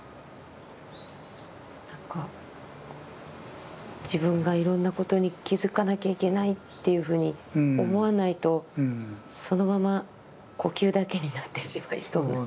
何か自分がいろんなことに気づかなきゃいけないっていうふうに思わないとそのまま呼吸だけになってしまいそうな。